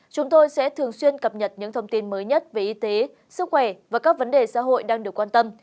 chúng tôi sẽ thường xuyên cập nhật những thông tin mới nhất về y tế sức khỏe và các vấn đề xã hội đang được quan tâm